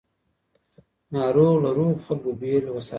ناروغ له روغو خلکو بیل وساتئ.